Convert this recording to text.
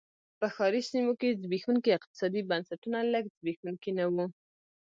په ښاري سیمو کې زبېښونکي اقتصادي بنسټونه لږ زبېښونکي نه و.